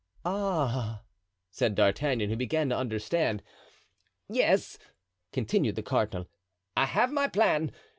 "Ah!" said D'Artagnan, who began to understand. "Yes," continued the cardinal. "I have my plan.